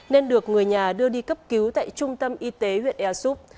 nên được người nhà đưa đi cấp cứu tại trung tâm y tế huyện ea súp